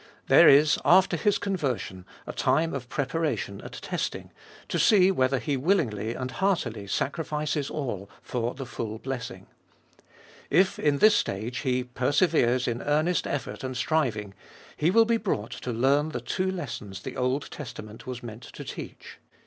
1 There is, after his conversion, a time of preparation and testing, to see whether he willingly and heartily sacrifices all for the full blessing. If in this stage he perseveres in earnest effort and striving, he will be brought to learn the two lessons the Old Testament was meant to teach.